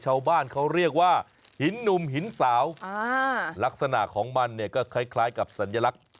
ชาวบ้านเขาเรียกว่าหินหนุ่มหินสาวลักษณะของมันเนี่ยก็คล้ายกับสัญลักษณ์